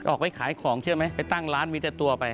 ออกไปขายของเชื่อไหมไปตั้งร้านมีแต่ตัวไป